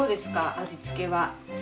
味付けは。